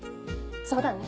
そうだね。